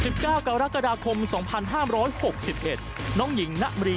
โปรดติดตามตอนต่อไป